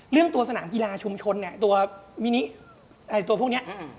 เรื่องตัวสนามกีฬาชุมชนเนี่ยตัวมินิอะไรตัวพวกนี้